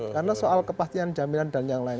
karena soal kepastian jaminan dan yang lain